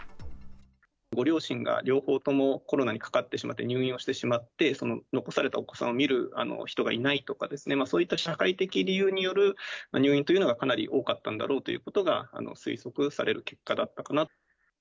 ご両親が両方ともコロナにかかってしまって入院をしてしまって、残されたお子さんを見る人がいないとかですね、そういった社会的理由による入院というのがかなり多かったんだろうということが推測される結果だったかなと。